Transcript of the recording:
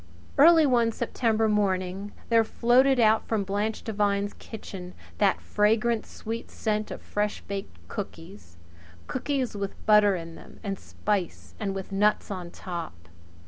Early one September morning there floated out from Blanche Devine's kitchen that clean, fragrant, sweet scent of fresh baked cookies cookies with butter in them, and spice, and with nuts on top.